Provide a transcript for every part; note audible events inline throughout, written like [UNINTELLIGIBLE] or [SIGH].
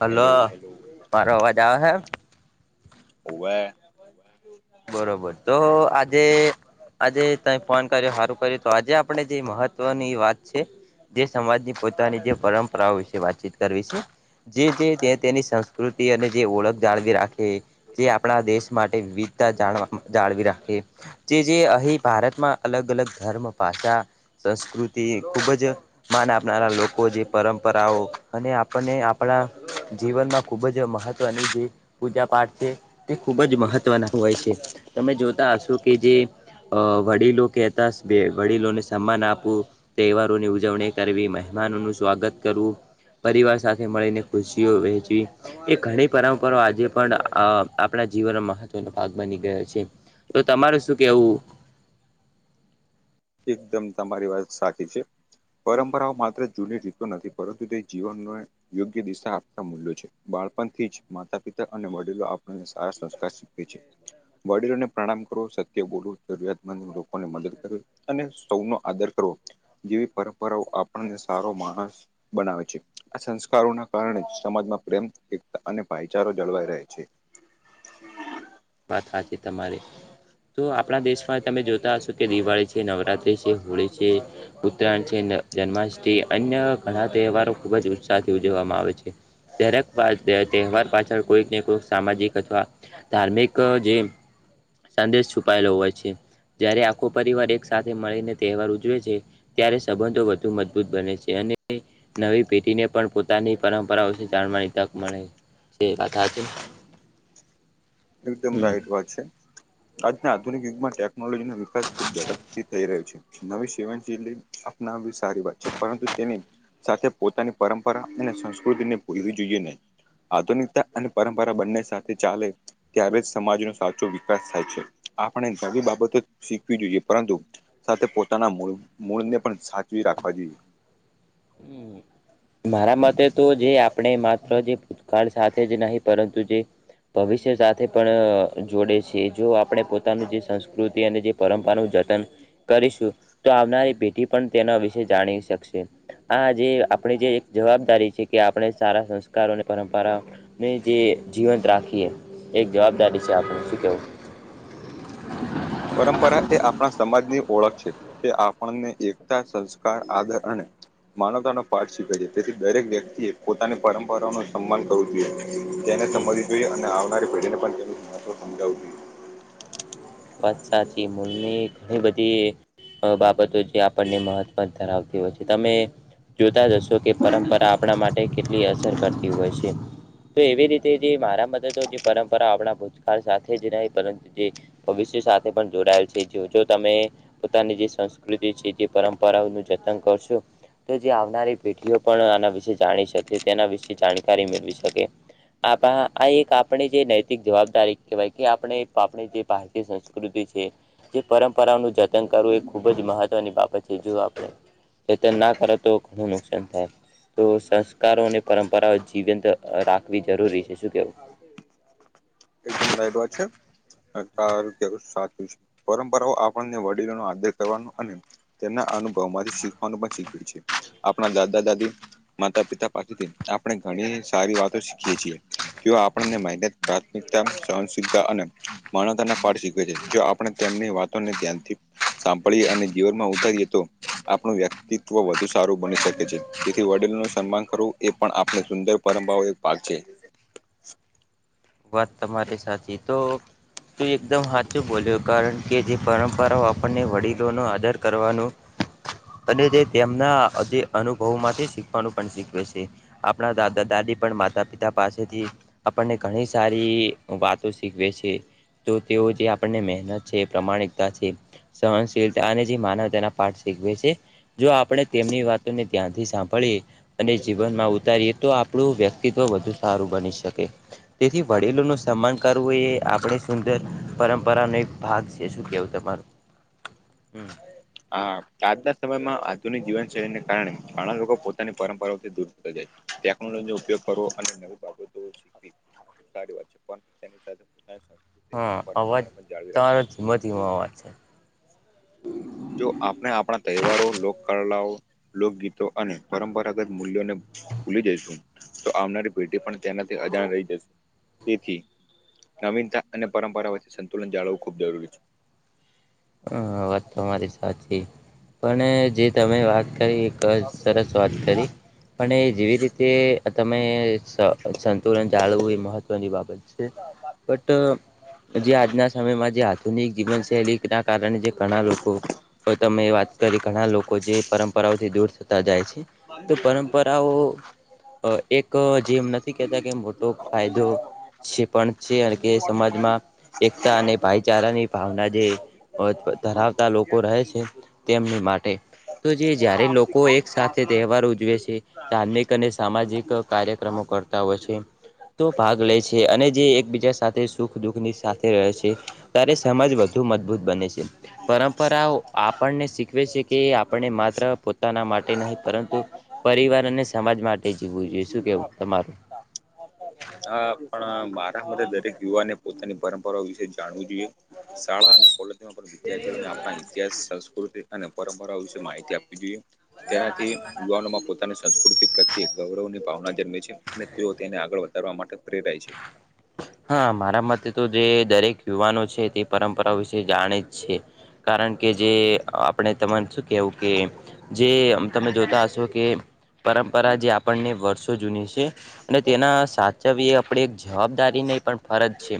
હાલો hello મારો અવાજ આવે હે? ઓવે બરોબર તો આજે આજે તય ફોન કર્યો હારું કર્યું તો આજે આપણે જે મહત્વની વાત છે. જે સમાજની પોતાની જે પરંપરાઓ વિશે વાતચીત કરવી છે. જે જે તે તેની સંસ્કૃતિ અને જે ઓળખ જાળવી રાખે જે આપણા દેશ માટે વિવિધ તા જાણવા જાળવી રાખે. જે જે અહીં ભારતમાં અલગ અલગ ધર્મ, ભાષા, સંસ્કૃતિ ખૂબ જ માન આપનારા લોકો જે પરંપરાઓ અને આપણને આપણા જીવનમાં ખૂબ જ મહ તવની જે પૂજા પાઠ છે, તે ખૂબ જ મહત્વના હોય છે. તમે જોતા હશો કે જે અ વડીલો કહેતા વડીલોને સન્માન આપવું તહેવારોની ઉજવણી કરવી મહેમાનોનું સ્વાગત કરવું. પરિવાર સાથે મળીને ખુશીઓ વહેચવી એ ઘણી પરંપરા આજે પણ અ આપણા જીવનમાં મહ તવનો ભાગ બની ગયો છે, તો તમારું શું કેવું? એકદમ તમારી વાત સાચી છે. પરંપરાઓ માત્ર જૂની રીતો નથી પરંતુ તે જીવનને યોગ્ય દિશા આપતા મૂલ્યો છે. બાળપણથી જ માતા પિતા અને વડીલો આપણને સારા સંસ્કાર શીખવે છે. વડીલોને પ્રણામ કરવો સત્ય બોલવ જરૂરિયાતમંદ લોકોને મદદ કરવી અને સૌનો આદર કરવો જેવી પરંપરાઓ આપણને સારો માણસ બનાવે છે. આ સંસ્કારોના કારણે જ સમાજમાં પ્રેમ, એકતા અને ભાઈચારો જળવાઈ રહે છે. વાત હાચી તમારી તો આપણા દેશમાં તમે જોતા હશો કે દિવાળી છે, નવરાત્રિ છે, હોળી છે. ઉત્તરાયણ છે, જન્માષ્ટી અન્ય ઘણા તહેવારો ખુબ જ ઉત્સાહથી ઉજવવામાં આવે છે. દરેક પા તહેવાર પાછળ કોઈક ને કોઈક સામાજિક અથવા ધાર્મિ ક જે સંદેશ છુપાયેલો હોય છે. તયારે આખો પરિવાર એક સાથે મળીને તહેવાર ઉજવે છે. ત્યારે સંબંધો વધુ મજબૂત બને છે, અને નવી પેઢીને પણ પોતાની પરંપરાઓ થી જાણવાની તક મળે છે, વાત સાચી એકદમ હમ રાઈટ વાત છે. આજના આધુનિક યુગમાં ટેકનોલોજી નો વિકાસ ખુબ ઝડપથી થઈ રહ્યો છે. નવી સેવનશીલી અપનાવવી સારી વાત પરંતુ તેની સાથે પોતાની પરંપરા અને સંસ્કૃતિને ભૂલવી જોઈએ નહી આધુનિકતા અને પરંપરા બંને સાથે ચાલે ત્યારે જ સમાજનો સાચો વિકાસ થાય છે, આપણે નવી બાબતો જ શીખવી જોઈએ પરંતુ સાથે પોતાના મૂળ મૂળને પણ સાચવી રાખવા જોઈએ. હમ મારા મતે તો જે આપણે માત્ર જે ભૂતકાળ સાથે જ નહી પરંતુ જે ભવિષ્ય સાથે પણ જોડે છે, જો આપણે પોતાનું જે સંસ્કૃતિ અને જે પરંપરાનું જતન કરીશું તો આવનારી પેઢી પણ તેના વિશે જાણી શકશે. આ જે આપણે જે એક જવાબદારી છે, કે આપણે સારા સંસ્કારોને પરંપરાઓ ને જે જીવંત રાખીએ એક જવાબદારી છે, આપણે શું કેવું? પરંપરા એ આપણા સમાજની ઓળખ છે. તે આપણને એકતા, સંસ્કાર, આદર અને માનવતાનો પાઠ શીખે છે તેથી દરેક વ્યક્તિએ પોતાની પરંપરાઓ ન સન્માન કરવું જોઈએ. તેને હમ સમજવી જોઈએ અને આવનારી પેઢીને પણ તેમનું મહત્વ સમજાવું જો ઈએ. વાત સાચ મૂળની ઘણી બધીએ. અ બાબતો જે આપણને મહત્વ ધરાવતી હોય છે તમે. જોતા જ કે પરંપરા આપણા માટે કેટલી અસર કરતી હોય છે. તો એવી રીતે જે મારા તો જે પરંપરા આપણા ભૂતકાળ સાથે જ રહે પરંતુ જે. ભવિષ્ય સાથે પણ જોડાયેલ છે જો જો તમે પોતાની જે સંસ્કૃતિ છે. તે પરંપરાઓનું જતન કરશો. જે આવનારી પેઢીઓ પણ આના વિશે જાણી શકે તેના વિશે જાણકારી મેળવી શકે. આબા આ એક આપણે જે નૈતિક જવાબદારી કહેવાય કે આપણે [UNINTELLIGIBLE] એ સંસ્કૃતિ છે. જે પરંપરાનું જતન કરવું એ ખુબજ મહત્વની બાબત છે જો આપણે. જતન ના કરો તો ઘણું નુકસાન થાય. તો સંસ્કારો ને પરંપરાઓ જીવંત રાખવી જરૂરી છે શું કેવું. એકદમ રાઈટ વાત છે. [UNINTELLIGIBLE] કેવું સાચું છે પરંપરાઓ આપણને વડીલો ન આદર કરવાનું અને તેમના અનુભવ માંથી શીખવાનું પણ શીખ્યું છે આપણા દાદા દાદી માતા પિતા પાસેથી આપણે ઘણી સારી વાતો શીખીએ છીએ તેઓ આપણને [UNINTELLIGIBLE] [UNINTELLIGIBLE] સહનશીલતા અને માનવતાના પાઠ શીખવે છે જો આપણે તેમની વાતોને ધ્યાનથી સાંભળીએ અને જીવનમાં ઉતારીએ તો આપણું વ્યક્તિત્વ વધુ સારું બની શકે છે. તેથી વડીલો નું સન્માન કરવું. એ પણ આપણે સુંદર પરંબા એક ભાગ છે. વાત તમારી સાચી તો તું એકદમ હાચુ બોલ્યો કારણ કે જે પરંપરાઓ આપણને વડીલોનો આદર કરવાનું [INAUDIBLE] અને તે તેમના અધિ અનુભવ માંથી શીખવાનું પણ શીખવે છે. આપણા દાદા દાદી પણ માતા પિતા પાસેથી આપણને ઘણી સારી વાતો શીખવે છે. તો તેઓ જે આપણને મહેનત છે પ્રમાણિકતા છે. સહનશીલતા અને જે માનવતાના પાઠ શીખવે છે. જો આપણે તેમની વાતોને ધ્યાન સાંભળીએ. અને જીવનમાં ઉતારીએ તો આપણું વ્યક્તિત્વ વધુ સારું બની શકે. તેથી વડીલોનું સન્માન કરવું એ આપણે સુંદર એક પરંપરા નો એક ભાગ છે શું કેહેવું તમારું. હમ. હઆજના સમયમાં આધુનિક જીવનશૈલીને કારણે ઘણા લોકો પોતાની પરંપરાઓથી દૂર. ટેકનોલોજી નો ઉપયોગ કરવો અને નવી બાબતો શીખવી. સારી વાત છે પણ તેની સાથે. અને હા અવાજ પરંપરાને પણ જાળવી રાખવી તમારો જોઈએ. ધીમો ધીમો અવાજ છે. જો આપણે આપણા તહેવારો. લોક કલાઓ. લોકગીતો અને પરંપરાગત મૂલ્યોને. ભૂલી જઈશું તો આવનારી પેઢી પણ તેનાથી અજાણ રહી જશે તેથી. નવીનતા અને પરંપરા વચ્ચે સંતુલન જાળવવું ખૂબ જરૂરી છે. હા વાત તમારી સાચી પણ એ જે તમે વાત કરી. [UNINTELLIGIBLE] સરસ વાત કરી. પણ એ જેવી રીતે તમે સંતુલન જાળવવુંએ મહત્ત્વની બાબત છે. બટ જે આજના સમયમાં જે આધુનિક જીવન શૈલી. એના કારણે જે ઘણા લોકો. તો તમે વાત કરી ઘણા લોકો જે પરંપરાઓથી દૂર થતા જાય છે તો પરંપરા [UNINTELLIGIBLE] એક જેમ નથી કેતા કે મોટો ફાયદો છે પણ છે કે સમાજમાં એકતા અને ભાઈચારાની ભાવના જે ધરાવતા લોકો રહે છે તેમની માટે, તો જે જ્યારે લોક લોકો એક સાથે તહેવાર ઉજવે છે, ધાર્મિક અને સામાજિક કાર્યક્રમો કરતા હોય છે. તો ભાગ લે છે અને જે એકબીજા સાથે સુખ દુઃખની સાથે રહે છે. ત્યારે સમાજ વધુ મજબૂત બને છે. પરંપરાઓ આપણને શીખવે છે કે આપણે માત્ર પોતાના માટે નહી પરંતુ પરિવાર અને સમાજ માટે જીવવું જોઈએ શું કેવું તમારું? હા પણ મારા મતે દરેક યુવાને પોતાની પરંપરાઓ વિશે જાણવું જોઈએ. શાળા અને કોલેજ વિદ્યાર્થીઓને આપણા ઇતિહાસ, સંસ્કૃતિ અને પરંપરા વિશે માહિતી આપવી જોઈએ. તેનાથી યુવાનોમાં પોતાની સંસ્કૃતિ પ્રત્યે ગૌરવની ભાવના જન્મે છે અને તેઓ તેને આગળ વધારવા માટે પ્રેરાય છે. હા મારા મતે તો જે દરેક યુવાનો છે તે પરંપરા વિશે જાણે જ છે કારણ કે જે પણ એ તમને શું કેવું કે જે તમે જોતા હશો કે પરંપરા જે આપણને વરસો જૂની છે અને તેના સાચવીએ આપણે જવાબદારી નહી પણ ફરજ છે.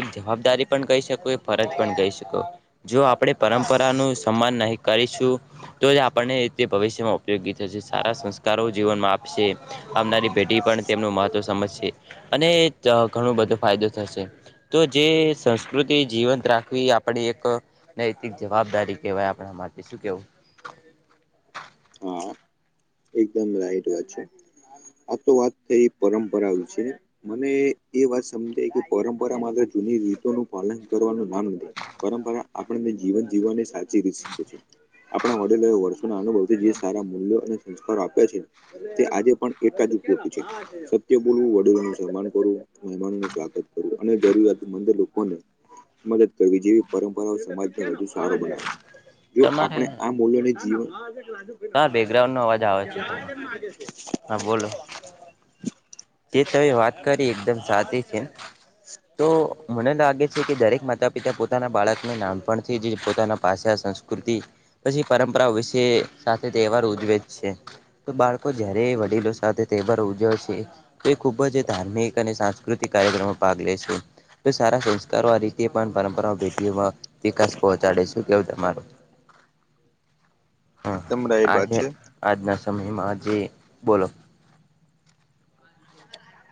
એક જવાબદારી પણ કઈ શકો એ ફરજ પણ કઈ શકો. જો આપણે પરંપરાનું સન્માન નહી કરીશું તો એ આપણને તે ભવિષ્યમાં ઉપયોગી થશે, સારા સંસ્કારો જીવનમાં આપશે. આવનારી પેઢી પણ તેમનું મહત્વ સમજશે અને ઘણું બધો ફાયદો થશે તો જે સંસ્કૃતિ જીવંત રાખવી એ આપણી એક નૈતિક જવાબદારી કહેવાય આપણા માટે, શું કહેવું? હા એકદમ [UNINTELLIGIBLE] વાત છે. આ તો વાત થઈ પરંપરા વિશે ની મને એ વાત સમજાઈ ગઈ પરંપરા માત્ર જૂની રીતો નું પાલન કરવાનું માન નથી પરંપરા આપણને જીવન જીવવાની આપણે વડીલોએ વ અનુભવથી જે સારા મૂલ્યો અને સંસ્કારો આપ્યા છે તે આજે પણ એટલા જ ઉપયોગી છે. સત્ય બોલવું, વડીલો નું સન્માન કરવું મહેમાનનું સ્વાગત. કરવું અને જરૂરિયાતમંદ લોકોને મદદ કરવી જોઈએ પરંપરાઓ સમાજ [UNINTELLIGIBLE] તો તમારે આપણે આ મૂલ્યોને જીવ હા બેકગ્રાઉન્ડ નો અવાજ આવે છે. હા બોલો. તે કઈ વાત કરી એકદમ સાચી છે તો મને લાગે કે દરેક માતા પિતા પોતાના બાળકને નામપણથી જ પોતાના પાષા સંસ્કૃતિ પછી પારમપરા હોયશે સાથે તહેવાર ઉજવે જ છે, તો બાળકો જારે વડીલો સાથે તહેવાર ઉજવે છે. તે ખૂબ જ ધાર્મિક અને સાંસ્કૃતિક કાર્યક્રમો ભાગ લે છે. તો સારા સંસ્કારો આ રીતે પણ પરંપરા ભેઢઓમાં વિકાસ પહોંચાડે છે, શું કેવ તમારું? [INAUDIBLE] હા એકદમ રાઈટ આ વાત છે. આજના સમયમાં જે, બોલો.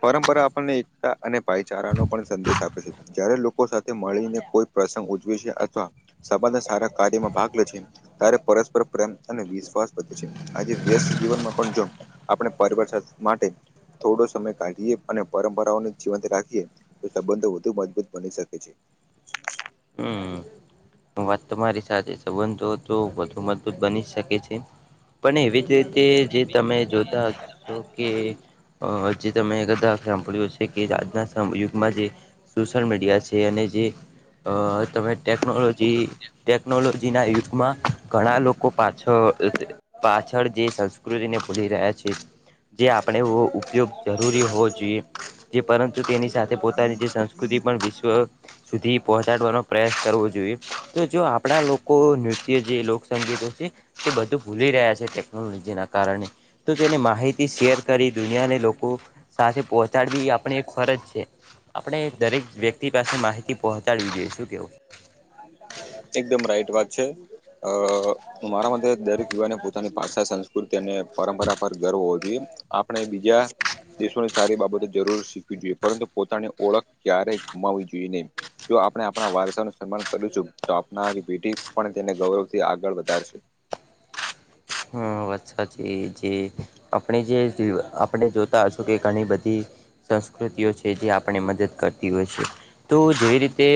પરંપરા આપણને એકતા અને ભાઈચારાનો પણ સંદેશ આપે છે જ્યારે લોક લોકો સાથે મળીને કોઈ પ્રસંગ ઉજવે છે અથવા સબાના સારા કાર્યમાં ભાગ લે છે. તારે પરસ્પર પ્રેમ અને વિશ્વાસ વધે છે, આજે વ્યસ્ત જીવનમાં પણ જો આપણે પરવાર માટે થોડો સમય કાઢીએ અને પરંપરાઓને જીવંત રાખીએ તો સંબંધો વધુ મજબૂત બની શકે છે. હમ [INAUDIBLE] વાત તમારી સાચી સંબંધો તો વધુ મજબૂત બની શકે છે. પણ એવી જ રીતે જે તમે જોતા હશો કે અ જે તમે કધા સાંભળ્યું છે, કે આજના સમ યુગમાં જે સોશયલ મીડિયા છે, અને જે અ તમે ટેકનોલોજી ટેકનોલોજીના યુગમાં ઘણા લોકો પાછ પાછળ જે સંસ્કૃતિને ભૂલી રહ્યા છે. જે આપણે ઉપયોગ જરૂરી હોવો જોઈએ જે પરંતુ તેની સાથે પોતાની જે સંસ્કૃતિ પણ વિશ્વ સુધી પહોંચાડવાનો પ્રયાસ કરવો જોઈએ તો જો આપણા લોકો નૃત્ય જે લોકસંગીતો છે. તે બધું ભૂલી રહ્યા છે, ટેકનોલોજીના કારણે તો તેને માહિતી શેર કરી દુનિયાને લોકો સાથે પહોચાડવી આપણે એક ફરજ છે, આપણે દરેક વ્યક્તિ પાસે માહિતી પહોંચાડી જોએ શું કેવું? એકદમ રાઈટ વાત છે, અ મારા મટે યુવાને પોતાની ભાષા સંસ્કૃતિ અને પરંપરા પર હોવો જોઈએ. આપણે બીજા દેશોની સારી બાબતો જરૂર શીખવી જોઈએ પરંતુ પોતાની ઓળખ ક્યારેય ગુમાવી જોઈએ નહી. જો આપણે આપણા વારસ સન્માન કરું છું તો આપનારી પેઢી પણ તેને ગૌરવથી આગળ વધારશે હ અચ્છાચી જે આપણે જે આપણે જોતા હશું કે ઘણી બધી સંસ્કૃતિઓ છે, જે આપણે મદદ કરતી હોય છે. તો જેવી રીતે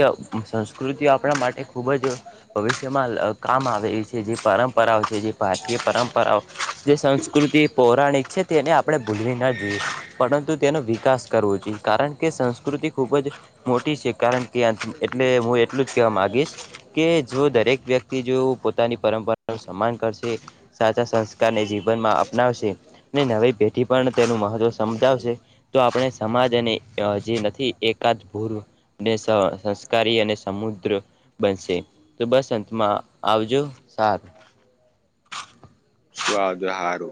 સંસ્કૃતિ આપણા માટે ખૂબ જ ભવિષ્યમાં કામ આવે એ છે, જે પરંપરાઓ છે, જે ભા એ પરંપરાઓ જે સંસ્કૃતિ પૌરાણિક છે, તેને આપણે ભૂલવી ન જોઈએ. પરંતુ તેનો વિકાસ કરવો જોઈએ કારણ કે સંસ્કૃતિ ખૂબ જ મોટી છે, કારણ કે એટલે એટલું જ કેવા માગીશ કે જો દરેક વ્યક્તિ જો પોતાની પરંપરાનુ સન્માન કરશે સાચા સંસ્કારને જીવનમાં અપનાવશે ને નવી પેઢી પણ તેનું મહત્વ સમજાવશે તો આપણે સમાજ અને અ નથી એકાદ ભૂરુ [UNINTELLIGIBLE] સંસ્કારી અને સમુદ્ર બનશે તો બસ અંતમાં આવજો સા શુ આવજો હારુ.